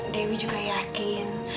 dewi juga yakin